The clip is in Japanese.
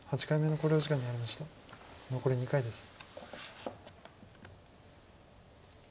残り２回です。